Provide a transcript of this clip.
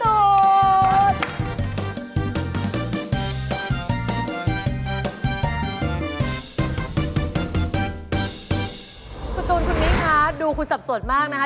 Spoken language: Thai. คุณตูนคุณมิ้นคะดูคุณสับสนมากนะคะ